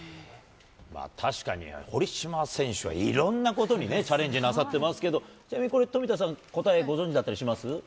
確かに堀島選手はいろんなことにね、チャレンジなさってますけれども、ちなみに、これ冨田さん、答えご存じだったりします？